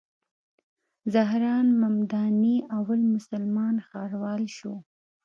زهران ممداني اول مسلمان ښاروال شو.